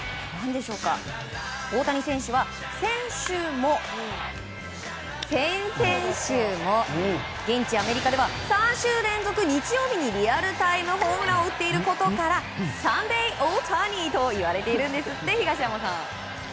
大谷選手は、先週も先々週も現地アメリカでは３週連続日曜日にリアルタイムホームランを打っていることからサンデー・オオタニと言われているんです、東山さん。